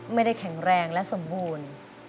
ไม่ได้แข็งแรงและสมบูรณ์